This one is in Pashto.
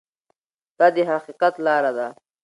دا د حقیقت لاره ده.